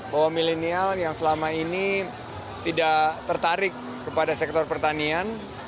bahwa milenial yang selama ini tidak tertarik kepada sektor pertanian